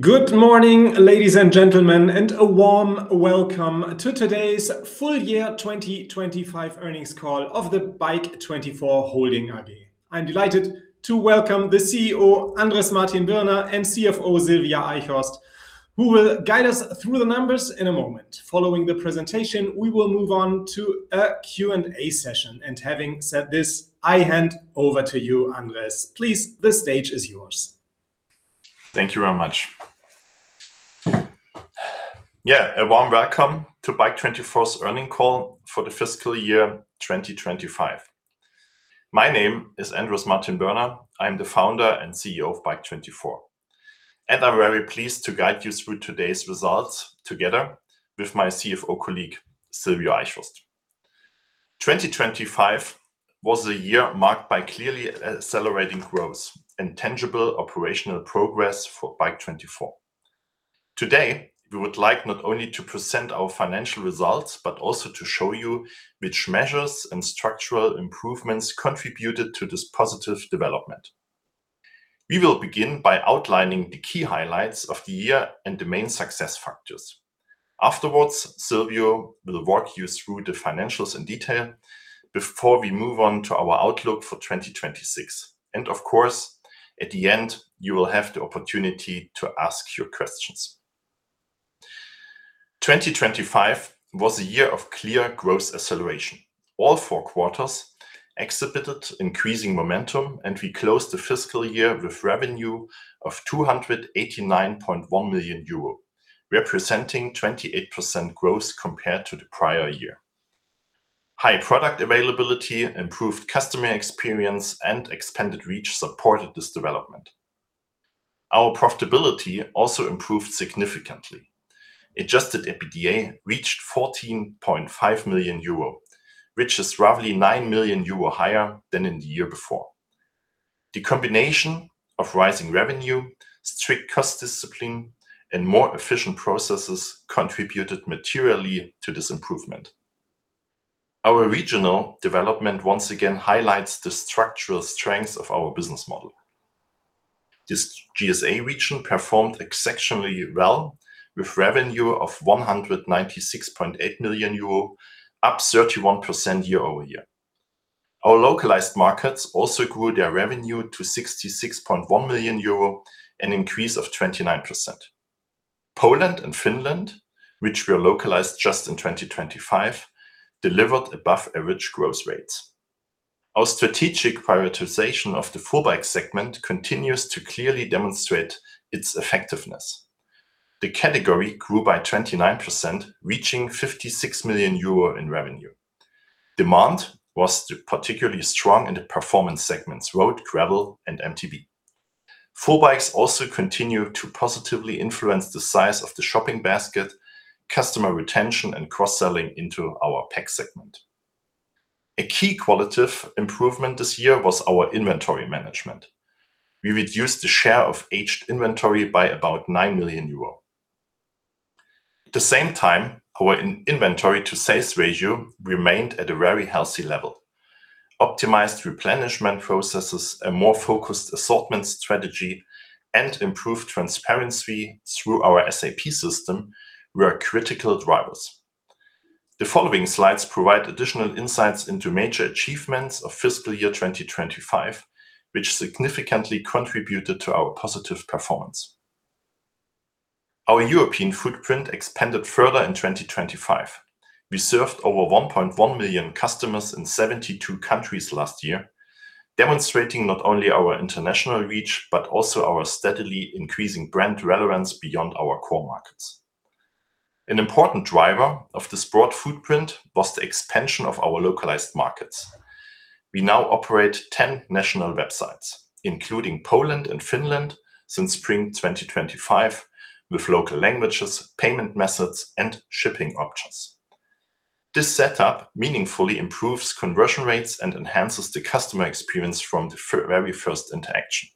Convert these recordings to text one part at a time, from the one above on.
Good morning, ladies, and gentlemen, and a warm welcome to today's Full Year 2025 Earnings Call of the Bike24 Holding AG. I'm delighted to welcome the CEO, Andrés Martin-Birner, and CFO, Sylvio Eichhorst, who will guide us through the numbers in a moment. Following the presentation, we will move on to a Q&A session. Having said this, I hand over to you, Andrés. Please, the stage is yours. Thank you very much. Yeah, a warm welcome to Bike24's Earnings Call for the Fiscal Year 2025. My name is Andrés Martin-Birner. I'm the Founder and CEO of Bike24, and I'm very pleased to guide you through today's results together with my CFO colleague, Sylvio Eichhorst. 2025 was a year marked by clearly accelerating growth and tangible operational progress for Bike24. Today, we would like not only to present our financial results, but also to show you which measures and structural improvements contributed to this positive development. We will begin by outlining the key highlights of the year and the main success factors. Afterwards, Sylvio will walk you through the financials in detail before we move on to our outlook for 2026. Of course, at the end, you will have the opportunity to ask your questions. 2025 was a year of clear growth acceleration. All four quarters exhibited increasing momentum, and we closed the fiscal year with revenue of 289.1 million euro, representing 28% growth compared to the prior year. High product availability, improved customer experience, and expanded reach supported this development. Our profitability also improved significantly. Adjusted EBITDA reached 14.5 million euro, which is roughly 9 million euro higher than in the year before. The combination of rising revenue, strict cost discipline, and more efficient processes contributed materially to this improvement. Our regional development once again highlights the structural strengths of our business model. This GSA region performed exceptionally well with revenue of 196.8 million euro, up 31% year-over-year. Our localized markets also grew their revenue to 66.1 million euro, an increase of 29%. Poland and Finland, which were localized just in 2025, delivered above-average growth rates. Our strategic prioritization of the full bike segment continues to clearly demonstrate its effectiveness. The category grew by 29%, reaching 56 million euro in revenue. Demand was particularly strong in the performance segments road, gravel, and MTB. Full bikes also continue to positively influence the size of the shopping basket, customer retention, and cross-selling into our PAC segment. A key qualitative improvement this year was our inventory management. We reduced the share of aged inventory by about 9 million euro. At the same time, our inventory-to-sales ratio remained at a very healthy level. Optimized replenishment processes, a more focused assortment strategy, and improved transparency through our SAP system were critical drivers. The following slides provide additional insights into major achievements of fiscal year 2025, which significantly contributed to our positive performance. Our European footprint expanded further in 2025. We served over 1.1 million customers in 72 countries last year, demonstrating not only our international reach, but also our steadily increasing brand relevance beyond our core markets. An important driver of this broad footprint was the expansion of our localized markets. We now operate 10 national websites, including Poland and Finland since spring 2025, with local languages, payment methods, and shipping options. This setup meaningfully improves conversion rates and enhances the customer experience from the very first interaction.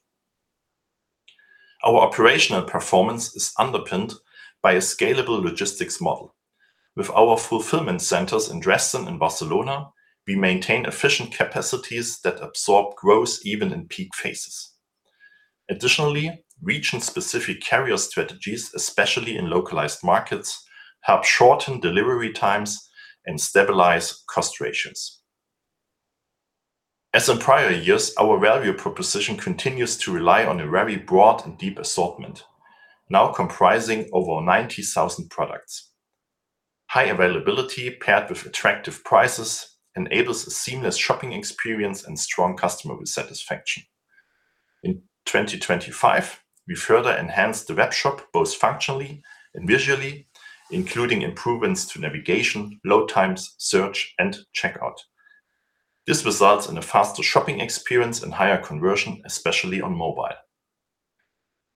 Our operational performance is underpinned by a scalable logistics model. With our fulfillment centers in Dresden and Barcelona, we maintain efficient capacities that absorb growth even in peak phases. Additionally, region-specific carrier strategies, especially in localized markets, help shorten delivery times and stabilize cost ratios. As in prior years, our value proposition continues to rely on a very broad and deep assortment, now comprising over 90,000 products. High availability paired with attractive prices enables a seamless shopping experience and strong customer satisfaction. In 2025, we further enhanced the webshop both functionally and visually, including improvements to navigation, load times, search, and checkout. This results in a faster shopping experience and higher conversion, especially on mobile.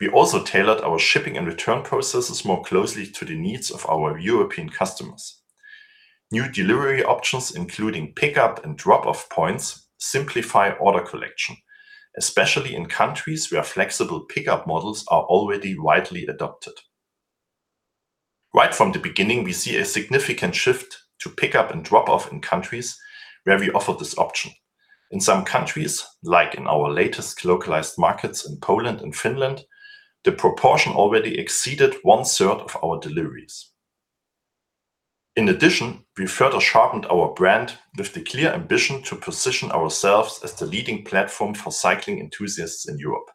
We also tailored our shipping and return processes more closely to the needs of our European customers. New delivery options, including pickup and drop off points, simplify order collection, especially in countries where flexible pickup models are already widely adopted. Right from the beginning, we see a significant shift to pick up and drop off in countries where we offer this option. In some countries, like in our latest localized markets in Poland and Finland, the proportion already exceeded 1/3 of our deliveries. In addition, we further sharpened our brand with the clear ambition to position ourselves as the leading platform for cycling enthusiasts in Europe.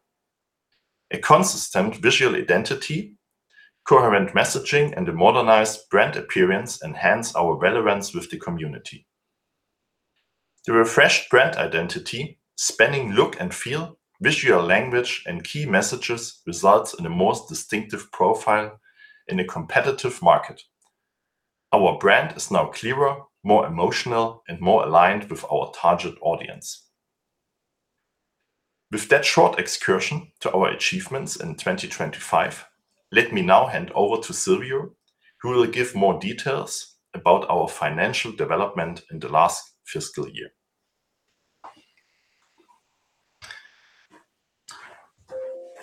A consistent visual identity, coherent messaging, and a modernized brand appearance enhance our relevance with the community. The refreshed brand identity, spanning look and feel, visual language, and key messages, results in a more distinctive profile in a competitive market. Our brand is now clearer, more emotional, and more aligned with our target audience. With that short excursion to our achievements in 2025, let me now hand over to Sylvio, who will give more details about our financial development in the last fiscal year.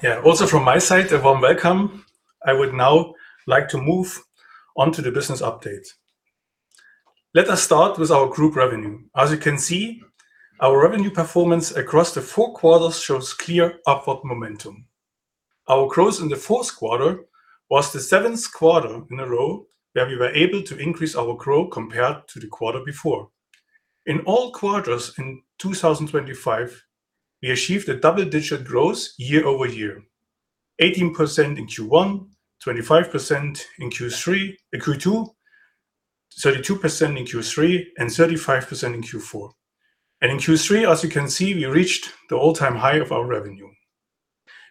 Yeah, also from my side, a warm welcome. I would now like to move on to the business update. Let us start with our group revenue. As you can see, our revenue performance across the four quarters shows clear upward momentum. Our growth in the fourth quarter was the seventh quarter in a row where we were able to increase our growth compared to the quarter before. In all quarters in 2025, we achieved a double-digit growth year-over-year. 18% in Q1, 25% in Q2, 32% in Q3, and 35% in Q4. In Q3, as you can see, we reached the all-time high of our revenue.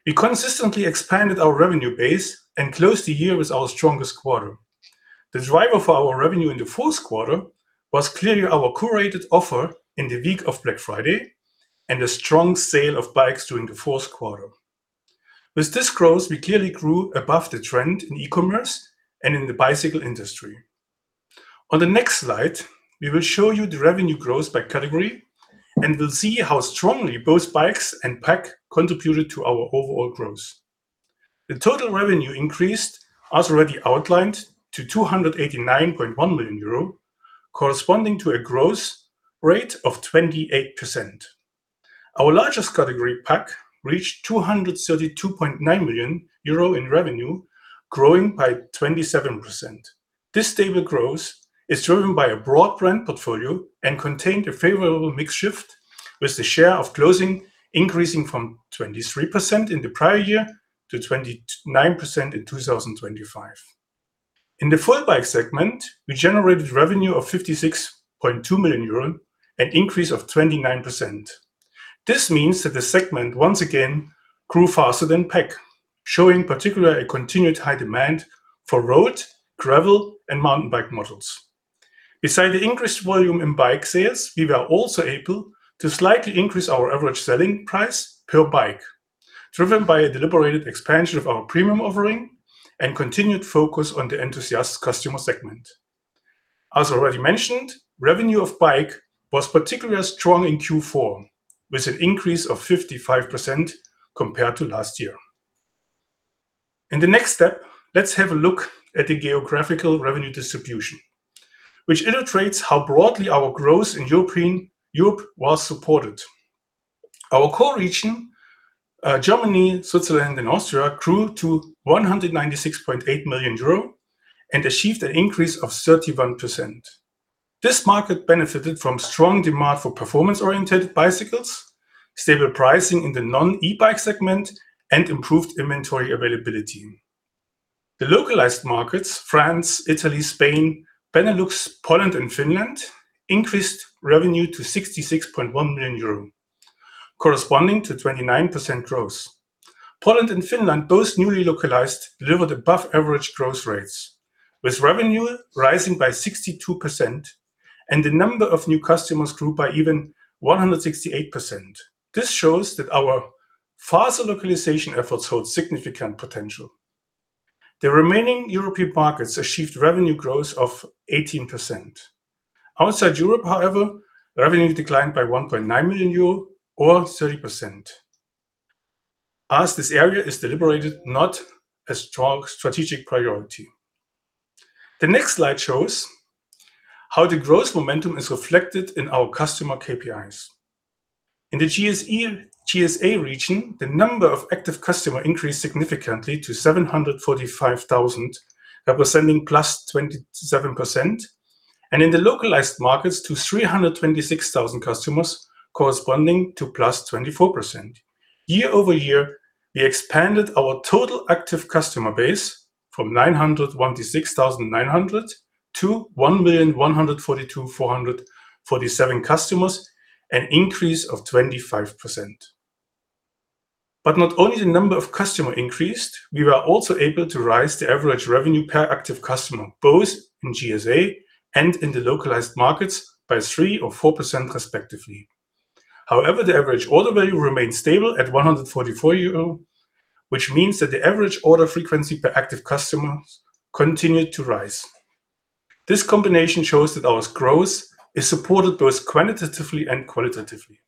We consistently expanded our revenue base and closed the year with our strongest quarter. The driver for our revenue in the fourth quarter was clearly our curated offer in the week of Black Friday and a strong sale of bikes during the fourth quarter. With this growth, we clearly grew above the trend in e-commerce and in the bicycle industry. On the next slide, we will show you the revenue growth by category, and we'll see how strongly both bikes and PAC contributed to our overall growth. The total revenue increased, as already outlined, to 289.1 million euro, corresponding to a growth rate of 28%. Our largest category, PAC, reached 232.9 million euro in revenue, growing by 27%. This stable growth is driven by a broad brand portfolio and contained a favorable mix shift, with the share of clothing increasing from 23% in the prior year to 29% in 2025. In the full bike segment, we generated revenue of 56.2 million euros, an increase of 29%. This means that the segment, once again, grew faster than PAC, showing particularly a continued high demand for road, gravel, and mountain bike models. Besides the increased volume in bike sales, we were also able to slightly increase our average selling price per bike, driven by a deliberate expansion of our premium offering and continued focus on the enthusiast customer segment. As already mentioned, revenue of bike was particularly strong in Q4, with an increase of 55% compared to last year. In the next step, let's have a look at the geographical revenue distribution, which illustrates how broadly our growth in Europe was supported. Our core region, Germany, Switzerland, and Austria, grew to 196.8 million euro and achieved an increase of 31%. This market benefited from strong demand for performance-oriented bicycles, stable pricing in the non-e-bike segment, and improved inventory availability. The localized markets, France, Italy, Spain, Benelux, Poland, and Finland, increased revenue to 66.1 million euro, corresponding to 29% growth. Poland and Finland, both newly localized, delivered above average growth rates, with revenue rising by 62% and the number of new customers grew by even 168%. This shows that our faster localization efforts hold significant potential. The remaining European markets achieved revenue growth of 18%. Outside Europe, however, revenue declined by 1.9 million euro or 30%, as this area is deliberately not a strong strategic priority. The next slide shows how the growth momentum is reflected in our customer KPIs. In the GSA region, the number of active customers increased significantly to 745,000, representing +27%, and in the localized markets to 326,000 customers, corresponding to +24%. Year-over-year, we expanded our total active customer base from 901,000 to 1,142,447 customers, an increase of 25%. Not only the number of customers increased, we were also able to rise the average revenue per active customer, both in GSA and in the localized markets, by 3% or 4% respectively. However, the average order value remained stable at 144 euro, which means that the average order frequency per active customer continued to rise. This combination shows that our growth is supported both quantitatively and qualitatively.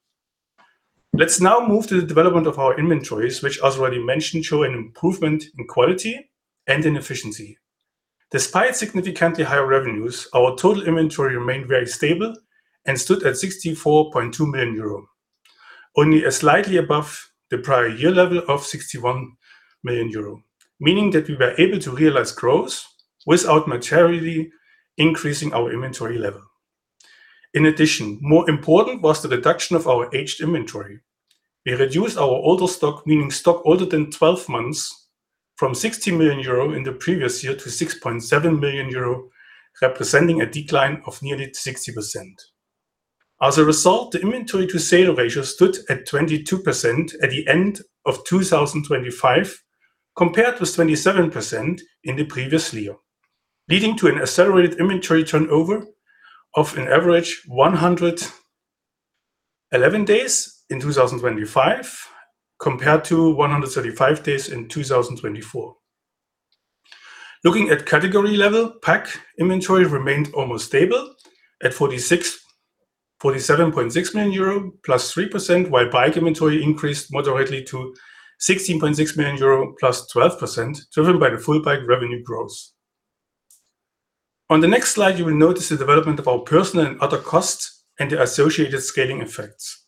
Let's now move to the development of our inventories, which as already mentioned, show an improvement in quality and in efficiency. Despite significantly higher revenues, our total inventory remained very stable and stood at 64.2 million euro, only slightly above the prior year level of 61 million euro, meaning that we were able to realize growth without materially increasing our inventory level. In addition, more important was the reduction of our aged inventory. We reduced our older stock, meaning stock older than 12 months from 60 million euro in the previous year to 6.7 million euro, representing a decline of nearly 60%. As a result, the inventory to sale ratio stood at 22% at the end of 2025, compared with 27% in the previous year, leading to an accelerated inventory turnover of an average 111 days in 2025 compared to 135 days in 2024. Looking at category level, PAC inventory remained almost stable at 47.6 million euro +3%, while bike inventory increased moderately to 16.6 million euro +12%, driven by the full bike revenue growth. On the next slide, you will notice the development of our personnel and other costs and the associated scaling effects.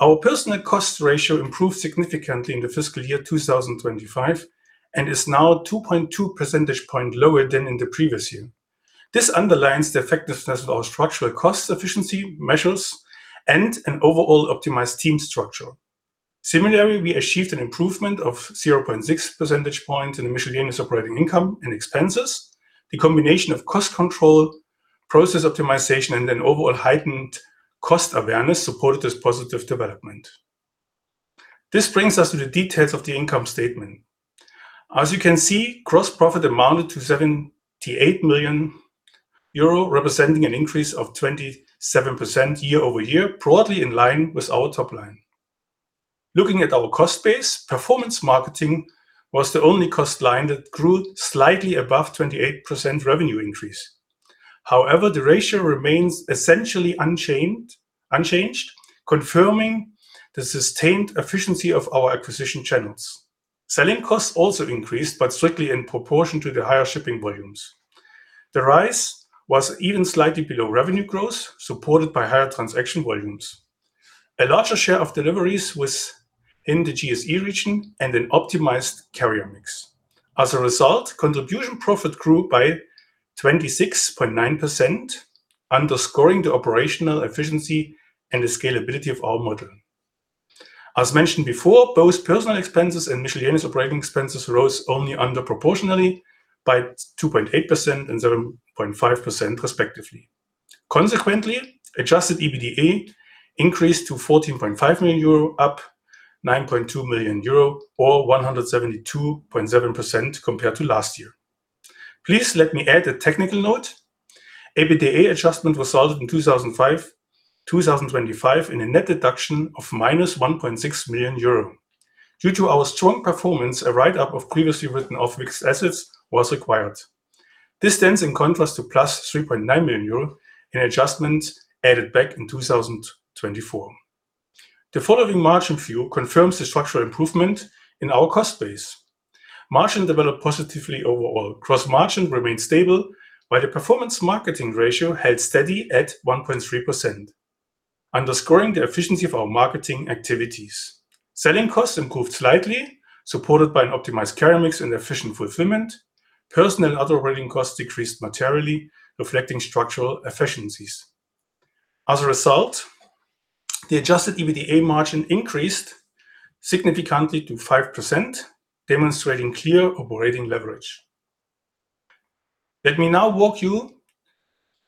Our personnel cost ratio improved significantly in the fiscal year 2025, and is now 2.2 percentage point lower than in the previous year. This underlines the effectiveness of our structural cost efficiency measures and an overall optimized team structure. Similarly, we achieved an improvement of 0.6 percentage points in the miscellaneous operating income and expenses. The combination of cost control, process optimization, and an overall heightened cost awareness supported this positive development. This brings us to the details of the income statement. As you can see, gross profit amounted to 78 million euro, representing an increase of 27% year-over-year, broadly in line with our top line. Looking at our cost base, performance marketing was the only cost line that grew slightly above 28% revenue increase. However, the ratio remains essentially unchanged, confirming the sustained efficiency of our acquisition channels. Selling costs also increased, but strictly in proportion to the higher shipping volumes. The rise was even slightly below revenue growth, supported by higher transaction volumes. A larger share of deliveries was in the GSA region and an optimized carrier mix. As a result, contribution profit grew by 26.9%, underscoring the operational efficiency and the scalability of our model. As mentioned before, both personal expenses and miscellaneous operating expenses rose only less than proportionally by 2.8% and 0.5% respectively. Consequently, Adjusted EBITDA increased to 14.5 million euro, up 9.2 million euro or 172.7% compared to last year. Please let me add a technical note. EBITDA adjustment resulted in 2025 in a net deduction of minus 1.6 million euro. Due to our strong performance, a write-up of previously written off fixed assets was required. This stands in contrast to +3.9 million euro in adjustments added back in 2024. The following margin view confirms the structural improvement in our cost base. Margin developed positively overall. Gross margin remained stable, while the performance marketing ratio held steady at 1.3%, underscoring the efficiency of our marketing activities. Selling costs improved slightly, supported by an optimized carrier mix and efficient fulfillment. Personnel and other operating costs decreased materially, reflecting structural efficiencies. As a result, the Adjusted EBITDA margin increased significantly to 5%, demonstrating clear operating leverage. Let me now walk you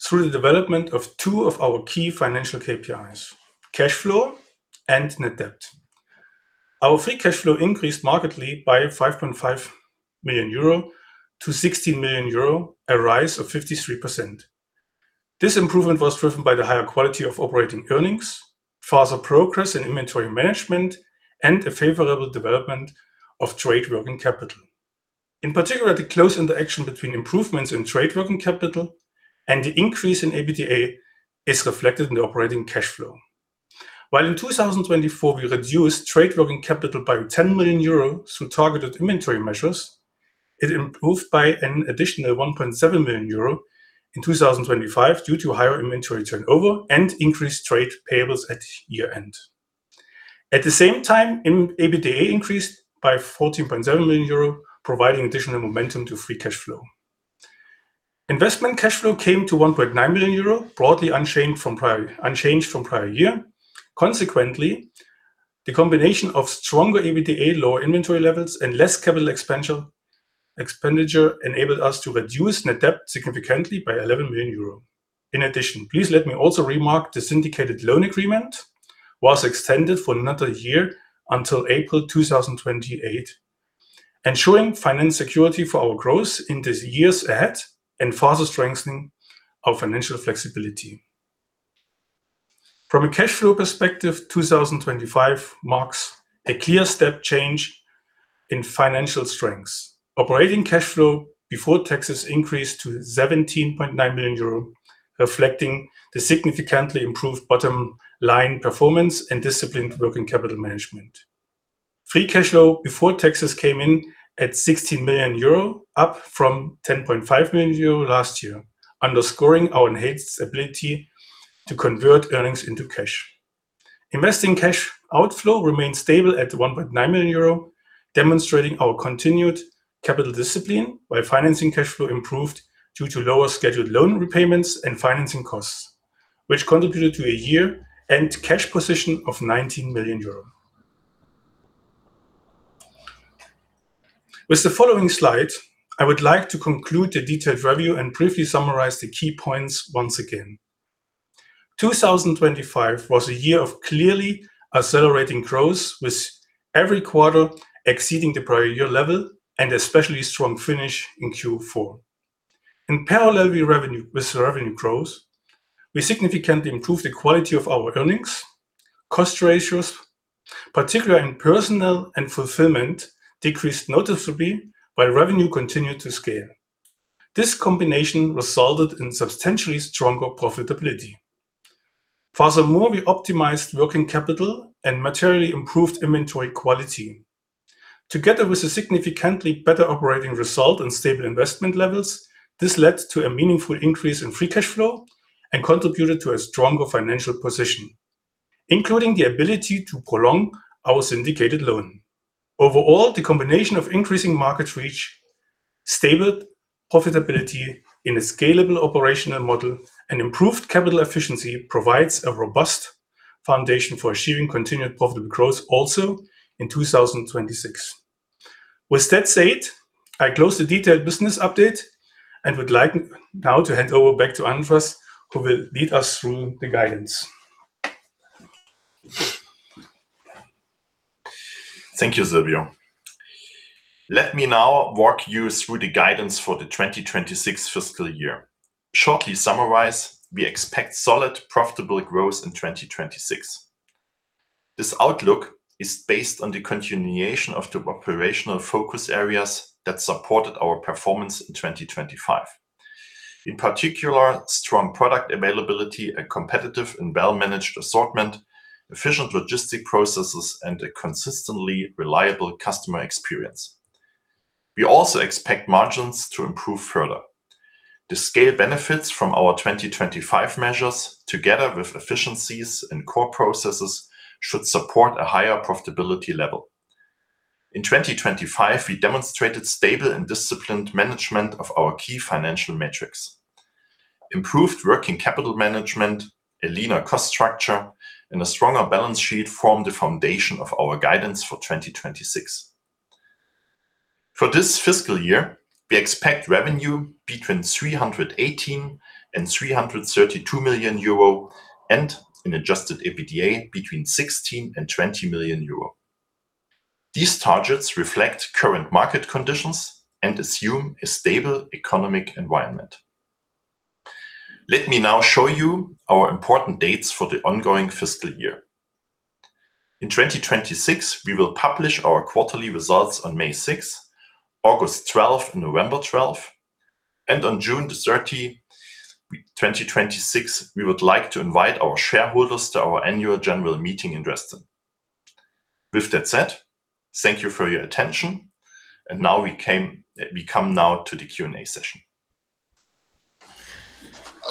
through the development of two of our key financial KPIs, cash flow and net debt. Our free cash flow increased markedly by 5.5 million-16 million euro, a rise of 53%. This improvement was driven by the higher quality of operating earnings, faster progress in inventory management, and a favorable development of trade working capital. In particular, the close interaction between improvements in trade working capital and the increase in EBITDA is reflected in the operating cash flow. While in 2024, we reduced trade working capital by 10 million euro through targeted inventory measures, it improved by an additional 1.7 million euro in 2025 due to higher inventory turnover and increased trade payables at year-end. At the same time, EBITDA increased by 14.7 million euro, providing additional momentum to free cash flow. Investment cash flow came to 1.9 million euro, broadly unchanged from prior year. Consequently, the combination of stronger EBITDA, lower inventory levels, and less capital expenditure enabled us to reduce net debt significantly by 11 million euro. In addition, please let me also remark the syndicated loan agreement was extended for another year until April 2028, ensuring finance security for our growth in these years ahead and further strengthening our financial flexibility. From a cash flow perspective, 2025 marks a clear step change in financial strengths. Operating cash flow before taxes increased to 17.9 million euro, reflecting the significantly improved bottom line performance and disciplined working capital management. Free cash flow before taxes came in at 16 million euro, up from 10.5 million euro last year, underscoring our enhanced ability to convert earnings into cash. Investing cash outflow remained stable at 1.9 million euro, demonstrating our continued capital discipline, while financing cash flow improved due to lower scheduled loan repayments and financing costs, which contributed to a year-end cash position of EUR 19 million. With the following slide, I would like to conclude the detailed review and briefly summarize the key points once again. 2025 was a year of clearly accelerating growth, with every quarter exceeding the prior year level and especially strong finish in Q4. In parallel with revenue growth, we significantly improved the quality of our earnings. Cost ratios, particularly in personnel and fulfillment, decreased noticeably while revenue continued to scale. This combination resulted in substantially stronger profitability. Furthermore, we optimized working capital and materially improved inventory quality. Together with a significantly better operating result and stable investment levels, this led to a meaningful increase in free cash flow and contributed to a stronger financial position, including the ability to prolong our syndicated loan. Overall, the combination of increasing market reach, stable profitability in a scalable operational model and improved capital efficiency provides a robust foundation for achieving continued profitable growth also in 2026. With that said, I close the detailed business update and would like now to hand over back to Andrés, who will lead us through the guidance. Thank you, Sylvio. Let me now walk you through the guidance for the 2026 fiscal year. To shortly summarize, we expect solid, profitable growth in 2026. This outlook is based on the continuation of the operational focus areas that supported our performance in 2025. In particular, strong product availability, a competitive and well-managed assortment, efficient logistics processes, and a consistently reliable customer experience. We also expect margins to improve further. The scale benefits from our 2025 measures, together with efficiencies in core processes, should support a higher profitability level. In 2025, we demonstrated stable and disciplined management of our key financial metrics. Improved working capital management, a leaner cost structure, and a stronger balance sheet form the foundation of our guidance for 2026. For this fiscal year, we expect revenue between 318 million and 332 million euro and an Adjusted EBITDA between 16 million and 20 million euro. These targets reflect current market conditions and assume a stable economic environment. Let me now show you our important dates for the ongoing fiscal year. In 2026, we will publish our quarterly results on May 6, August 12, November 12, and on June 30, 2026, we would like to invite our shareholders to our annual general meeting in Dresden. With that said, thank you for your attention. Now we come now to the Q&A session.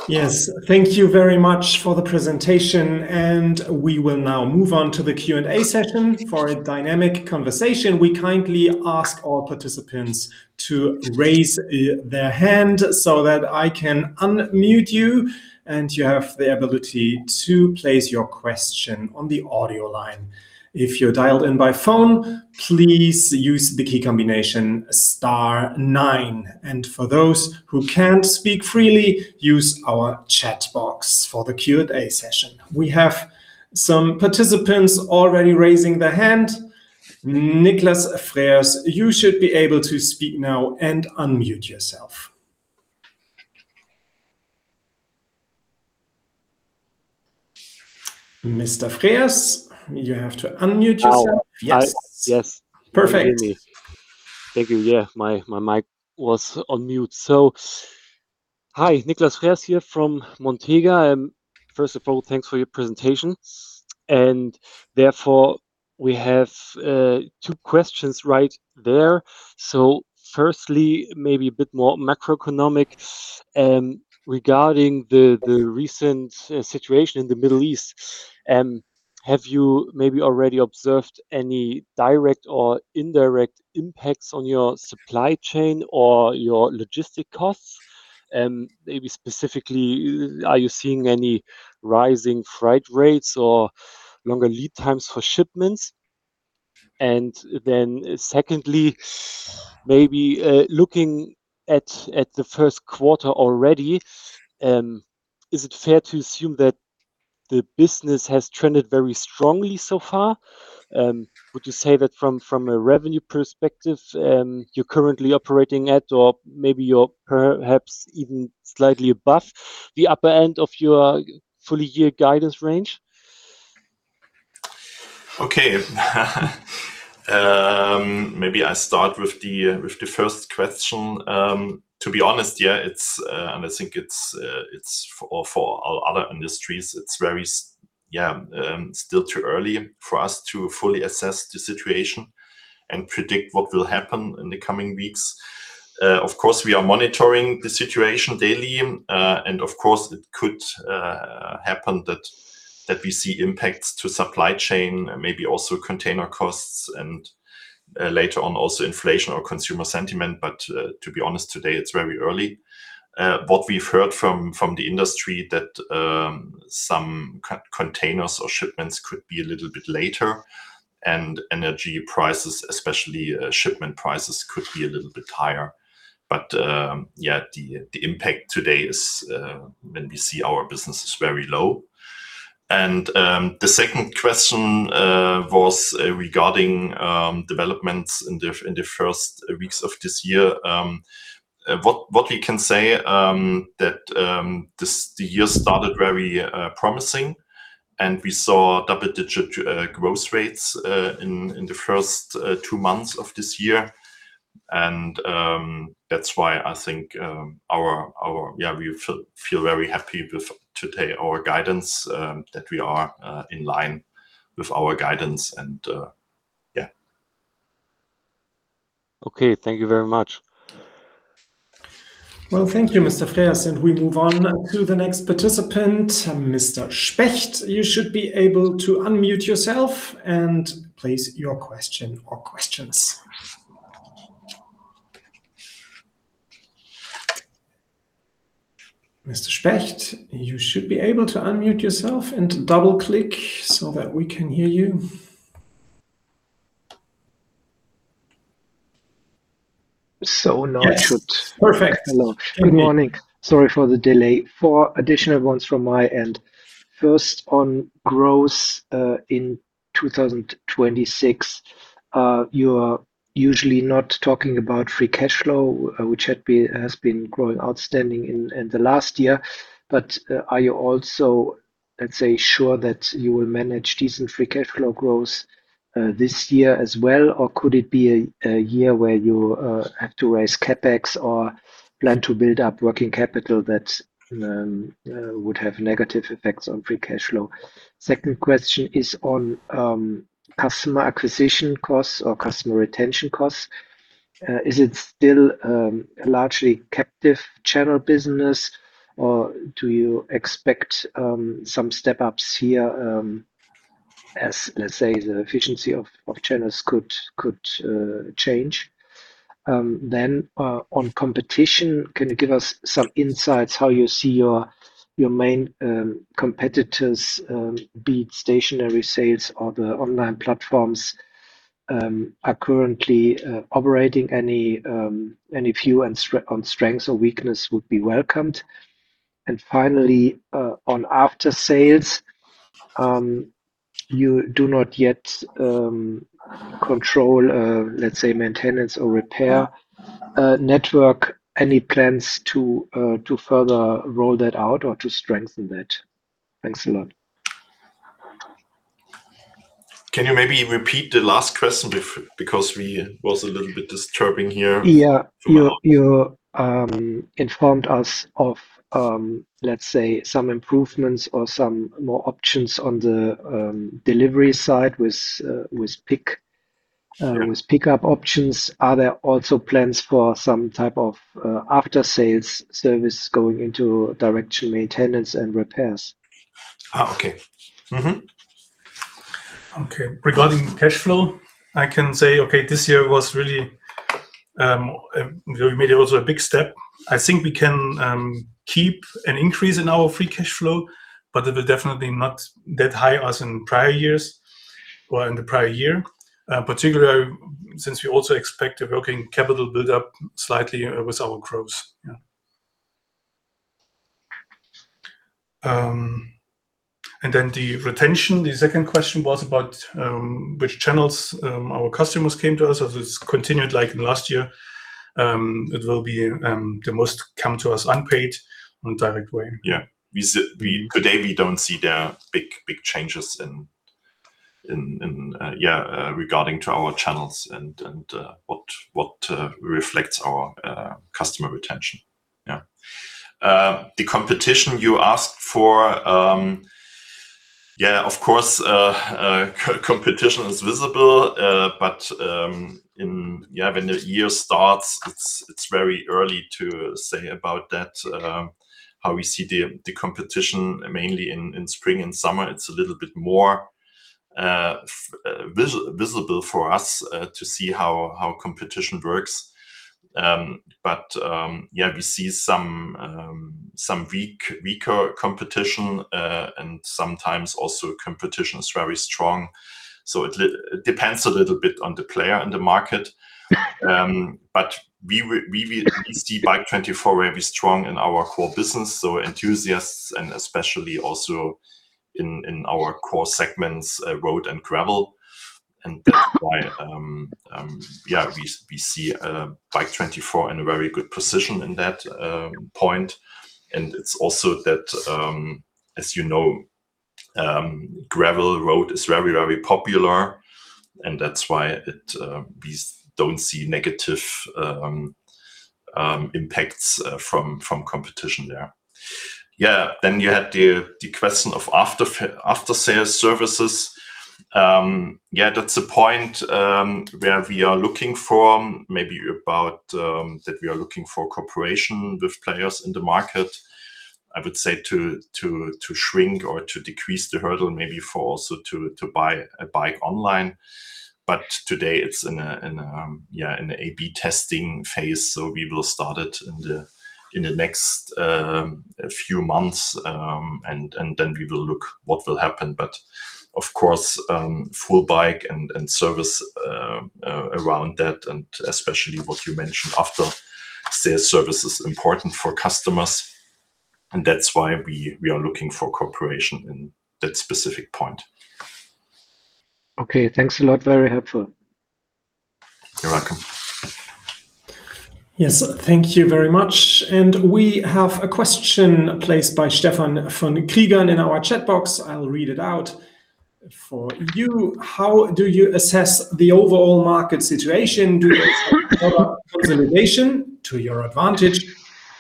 Yes. Thank you very much for the presentation, and we will now move on to the Q&A session. For a dynamic conversation, we kindly ask all participants to raise their hand so that I can unmute you, and you have the ability to place your question on the audio line. If you're dialed in by phone, please use the key combination star nine. For those who can't speak freely, use our chat box for the Q&A session. We have some participants already raising their hand. Nicklas Frers, you should be able to speak now and unmute yourself. Mr. Frers, you have to unmute yourself. Oh. Yes. Hi. Yes. Perfect. Can you hear me? Thank you. Yeah, my mic was on mute. Hi, Nicklas Frers here from Montega. First of all, thanks for your presentation, and therefore we have two questions right there. Firstly, maybe a bit more macroeconomic, regarding the recent situation in the Middle East. Have you maybe already observed any direct or indirect impacts on your supply chain or your logistics costs? Maybe specifically, are you seeing any rising freight rates or longer lead times for shipments? Secondly, maybe looking at the first quarter already, is it fair to assume that the business has trended very strongly so far? Would you say that from a revenue perspective, you're currently operating at or maybe you're perhaps even slightly above the upper end of your full year guidance range? Okay. Maybe I start with the first question. To be honest, I think it's for other industries. It's still too early for us to fully assess the situation and predict what will happen in the coming weeks. Of course, we are monitoring the situation daily, and of course it could happen that we see impacts to supply chain, maybe also container costs and later on also inflation or consumer sentiment. To be honest, today it's very early. What we've heard from the industry that some containers or shipments could be a little bit later and energy prices, especially, shipment prices, could be a little bit higher. The impact to date, when we see our business, is very low. The second question was regarding developments in the first weeks of this year. What we can say is that the year started very promising, and we saw double-digit growth rates in the first two months of this year. That's why I think we feel very happy with our guidance to date that we are in line with our guidance. Okay. Thank you very much. Well, thank you, Mr. Frers. We move on to the next participant, Mr. Specht. You should be able to unmute yourself and place your question or questions. Mr. Specht, you should be able to unmute yourself and to double-click so that we can hear you. Now it should. Yes. Perfect. Thank you. Hello. Good morning. Sorry for the delay. Four additional ones from my end. First, on growth in 2026. You're usually not talking about free cash flow, which had been, has been growing outstanding in the last year. Are you also, let's say, sure that you will manage decent free cash flow growth this year as well? Or could it be a year where you have to raise CapEx or plan to build up working capital that would have negative effects on free cash flow? Second question is on customer acquisition costs or customer retention costs. Is it still a largely captive channel business or do you expect some step-ups here, as, let's say, the efficiency of channels could change? On competition, can you give us some insights how you see your main competitors, be it stationary sales or the online platforms, are currently operating? Any view on strengths or weakness would be welcomed. Finally, on aftersales, you do not yet control, let's say, maintenance or repair network. Any plans to further roll that out or to strengthen that? Thanks a lot. Can you maybe repeat the last question because there was a little bit of disturbance here? Yeah. for now? You informed us of, let's say, some improvements or some more options on the delivery side with pick- Sure. with pickup options. Are there also plans for some type of, after-sales service going into direct to maintenance and repairs? Okay. Mm-hmm. Okay. Regarding cash flow, I can say, okay, this year was really, we made also a big step. I think we can keep an increase in our free cash flow, but it will definitely not that high as in prior years or in the prior year, particularly since we also expect a working capital build up slightly with our growth. And then the retention, the second question was about which channels our customers came to us. If it's continued like in last year, it will be the most come to us unpaid on direct way. Today we don't see their big changes in regarding to our channels and what reflects our customer retention. The competition you asked for, of course, competition is visible. In when the year starts, it's very early to say about that, how we see the competition mainly in spring and summer. It's a little bit more visible for us to see how competition works. We see some weaker competition, and sometimes also competition is very strong, so it depends a little bit on the player and the market. We will at least, Bike24 will be strong in our core business. Enthusiasts and especially also in our core segments, road and gravel. That's why we see Bike24 in a very good position in that point, and it's also that, as you know, gravel road is very popular, and that's why we don't see negative impacts from competition there. You had the question of after-sales services. That's a point where we are looking for cooperation with players in the market, I would say to shrink or to decrease the hurdle maybe for also to buy a bike online. Today it's in a A/B testing phase, so we will start it in the next few months, and then we will look what will happen. Of course, full bike and service around that and especially what you mentioned after sales service is important for customers, and that's why we are looking for cooperation in that specific point. Okay, thanks a lot. Very helpful. You're welcome. Yes. Thank you very much. We have a question placed by Stefan von Kriegan in our chat box. I'll read it out for you. How do you assess the overall market situation? Do you expect product consolidation to your advantage,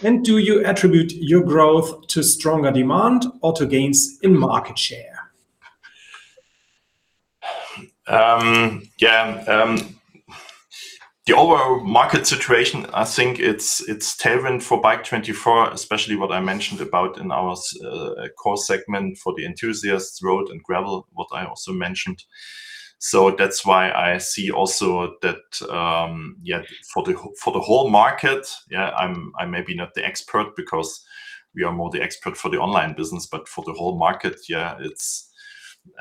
and do you attribute your growth to stronger demand or to gains in market share? The overall market situation, I think it's tailored for Bike24, especially what I mentioned about in our core segment for the enthusiasts, road and gravel, what I also mentioned. That's why I see also that, for the whole market, I'm maybe not the expert because we are more the expert for the online business, but for the whole market,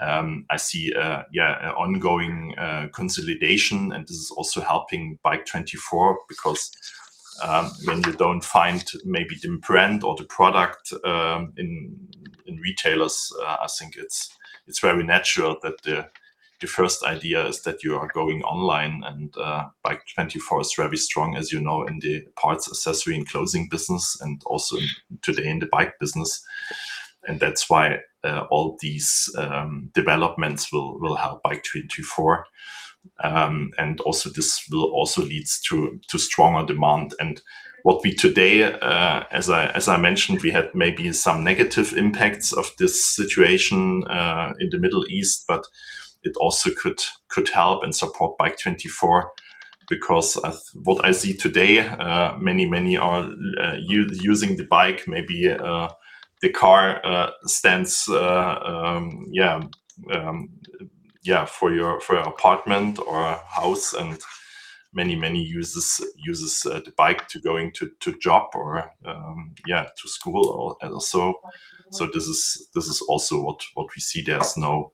I see an ongoing consolidation, and this is also helping Bike24 because, when we don't find maybe the brand or the product, in retailers, I think it's very natural that the first idea is that you are going online and, Bike24 is very strong, as you know, in the parts, accessories and clothing business, and also today in the bike business. That's why all these developments will help Bike24. Also this will also leads to stronger demand. What we today as I mentioned, we had maybe some negative impacts of this situation in the Middle East, but it also could help and support Bike24, because as what I see today many are using the bike, maybe the car stands for your apartment or house and many uses the bike to going to job or to school or and so. This is also what we see. There's no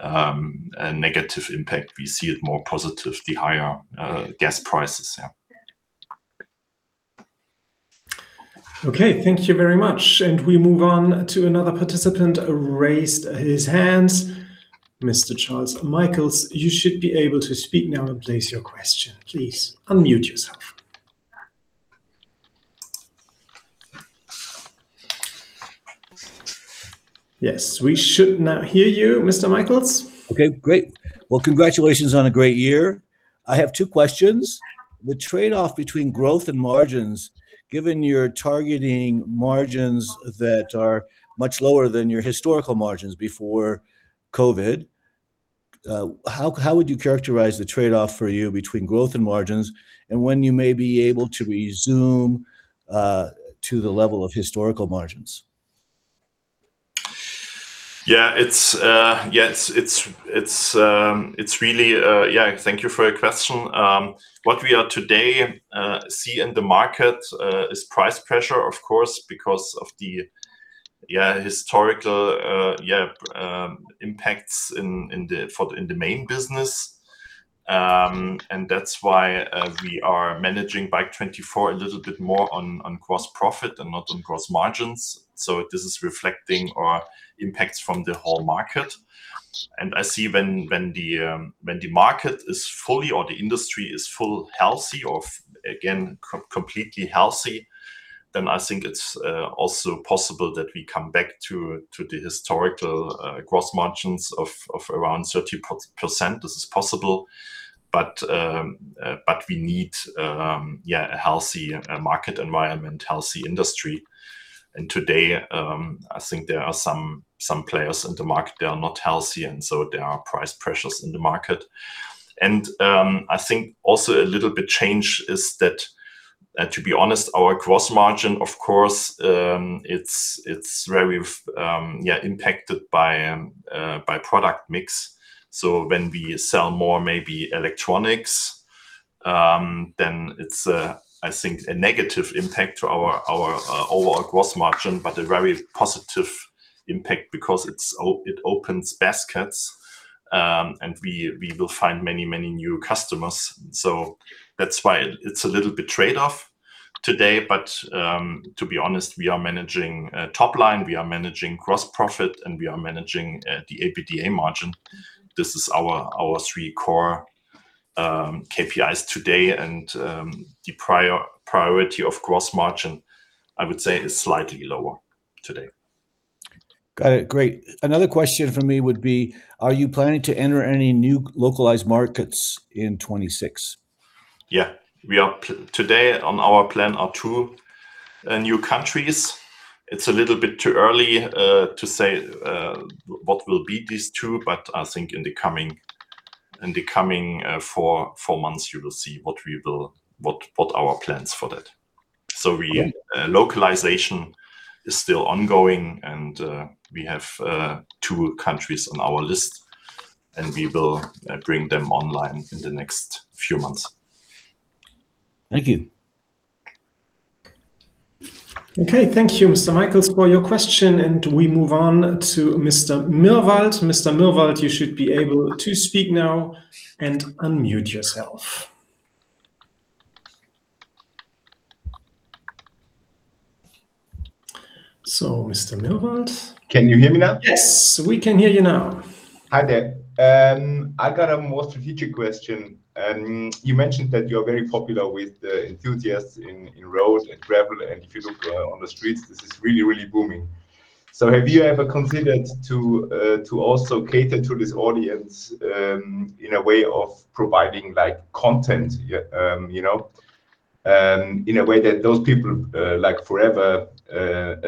negative impact. We see it more positive, the higher gas prices. Okay. Thank you very much. We move on to another participant raised his hands. Mr. Charles Michaels, you should be able to speak now and place your question. Please unmute yourself. Yes, we should now hear you, Mr. Michaels. Okay, great. Well, congratulations on a great year. I have two questions. The trade-off between growth and margins, given you're targeting margins that are much lower than your historical margins before COVID, how would you characterize the trade-off for you between growth and margins, and when you may be able to resume to the level of historical margins? Yeah, thank you for your question. What we see today in the market is price pressure, of course, because of the historical impacts in the main business. That's why we are managing Bike24 a little bit more on gross profit and not on gross margins. This is reflecting our impacts from the whole market. I see when the market is fully or the industry is fully healthy or again completely healthy, then I think it's also possible that we come back to the historical gross margins of around 30%. This is possible. We need a healthy market environment, healthy industry. Today, I think there are some players in the market that are not healthy, so there are price pressures in the market. I think also a little bit change is that, to be honest, our gross margin, of course, it's very impacted by product mix. When we sell more maybe electronics, then it's, I think a negative impact to our overall gross margin, but a very positive impact because it opens baskets, and we will find many new customers. That's why it's a little bit trade-off today. To be honest, we are managing top line, we are managing gross profit, and we are managing the EBITDA margin. This is our three core KPIs today and the priority of gross margin, I would say, is slightly lower today. Got it. Great. Another question from me would be: are you planning to enter any new localized markets in 2026? Yeah, today on our plan are two new countries. It's a little bit too early to say what will be these two, but I think in the coming four months you will see what our plans for that. Yeah. Localization is still ongoing and we have two countries on our list and we will bring them online in the next few months. Thank you. Okay. Thank you, Mr. Michaels, for your question, and we move on to Mr. Milward. Mr. Milward, you should be able to speak now and unmute yourself. Mr. Milward. Can you hear me now? Yes, we can hear you now. Hi there. I got a more strategic question. You mentioned that you're very popular with the enthusiasts in road and gravel, and if you look on the streets, this is really, really booming. Have you ever considered to also cater to this audience in a way of providing, like, content, you know? In a way that those people like forever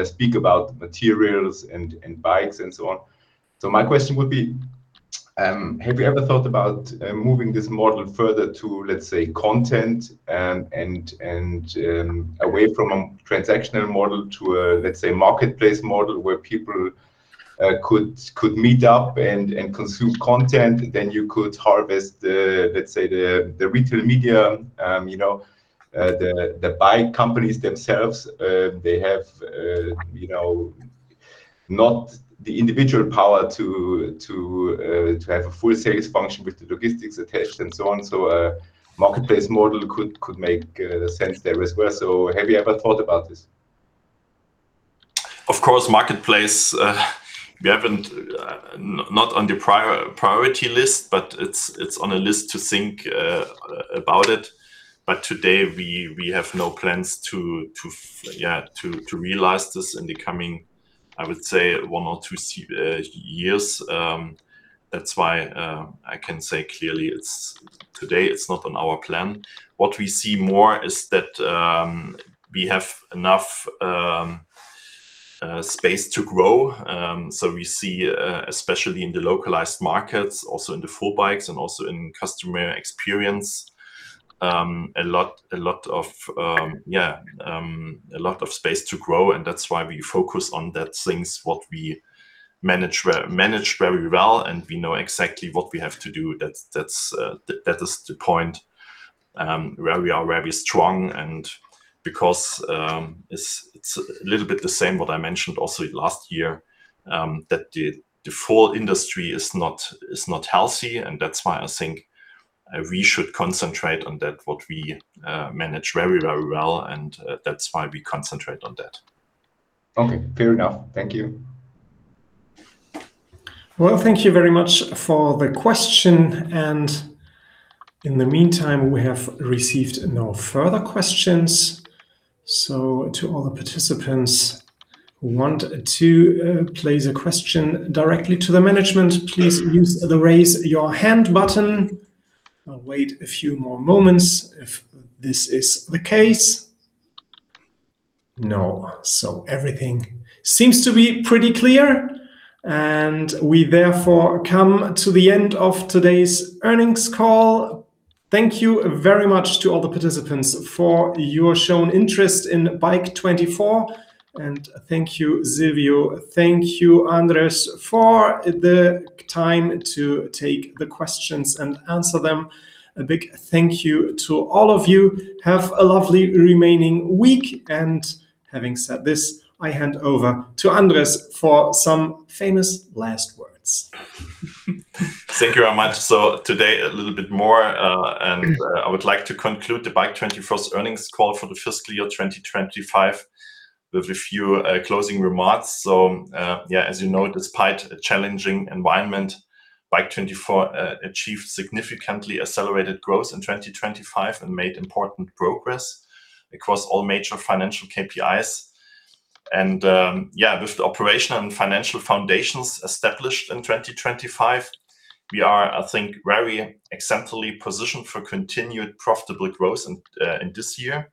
speak about materials and bikes and so on. My question would be, have you ever thought about moving this model further to, let's say, content and away from a transactional model to a, let's say, marketplace model where people could meet up and consume content, then you could harvest the, let's say, the retail media? You know, the bike companies themselves, they have, you know, not the individual power to have a full sales function with the logistics attached and so on, so a marketplace model could make sense there as well. Have you ever thought about this? Of course, marketplace, we have not on the priority list, but it's on a list to think about it. Today we have no plans to realize this in the coming, I would say, one or two years. That's why I can say clearly today it's not on our plan. What we see more is that we have enough space to grow. We see especially in the localized markets, also in the full bikes and also in customer experience, a lot of space to grow and that's why we focus on those things that we manage very well and we know exactly what we have to do. That is the point where we are very strong and because it's a little bit the same what I mentioned also last year that the full industry is not healthy and that's why I think we should concentrate on that what we manage very, very well and that's why we concentrate on that. Okay. Fair enough. Thank you. Well, thank you very much for the question. In the meantime, we have received no further questions. To all the participants who want to place a question directly to the management, please use the Raise Your Hand button. I'll wait a few more moments if this is the case. No. Everything seems to be pretty clear, and we therefore come to the end of today's earnings call. Thank you very much to all the participants for your shown interest in Bike24, and thank you, Sylvio, thank you, Andrés, for the time to take the questions and answer them. A big thank you to all of you. Have a lovely remaining week. Having said this, I hand over to Andrés for some famous last words. Thank you very much. Today a little bit more, and I would like to conclude Bike24's earnings call for the fiscal year 2025 with a few closing remarks. Yeah, as you know, despite a challenging environment, Bike24 achieved significantly accelerated growth in 2025 and made important progress across all major financial KPIs. Yeah, with the operational and financial foundations established in 2025, we are, I think, very excellently positioned for continued profitable growth in this year.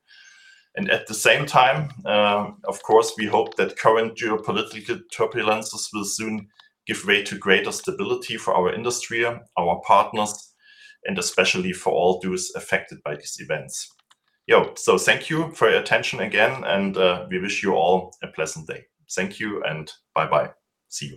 At the same time, of course, we hope that current geopolitical turbulences will soon give way to greater stability for our industry, our partners, and especially for all those affected by these events. Thank you for your attention again, and we wish you all a pleasant day. Thank you and bye-bye. See you.